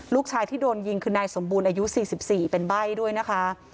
ลูกชายที่โดนยิงคือนายสมบูรณ์อายุ๔๔เป็นใบ้ด้วยนะคะ